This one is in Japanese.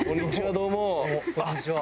どうもこんにちは。